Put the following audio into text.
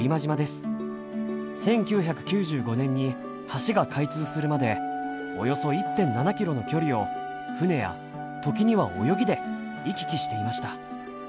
１９９５年に橋が開通するまでおよそ１．７キロの距離を船や時には泳ぎで行き来していました。